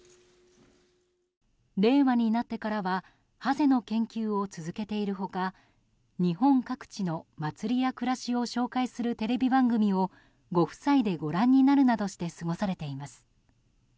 令和になってからはハゼの研究を続けている他日本各地の祭りや暮らしを紹介するテレビ番組をご夫妻でご覧になるなどして過ごされています。